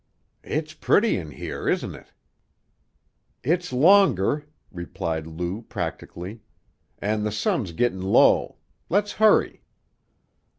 "It's pretty in here, isn't it?" "It's longer," replied Lou practically. "An' the sun's gittin' low. Let's hurry."